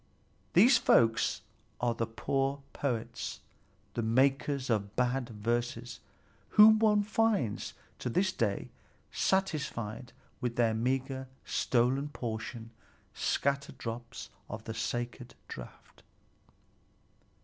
These folk are the poor poets, the makers of bad verses, whom one finds to this day satisfied with their meagre, stolen portion, scattered drops of the sacred draught.